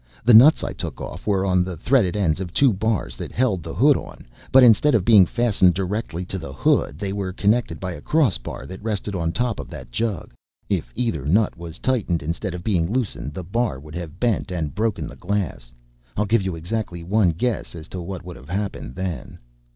The nuts I took off were on the threaded ends of two bars that held the hood on, but instead of being fastened directly to the hood they were connected by a crossbar that rested on top of that jug. If either nut was tightened instead of being loosened, the bar would have bent and broken the glass. I'll give you exactly one guess as to what would have happened then."